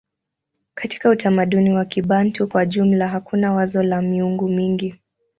Katika utamaduni wa Kibantu kwa jumla hakuna wazo la miungu mingi.